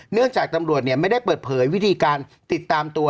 เนื่องจากตำรวจไม่ได้เปิดเผยวิธีการติดตามตัว